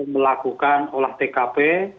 melakukan olah tkp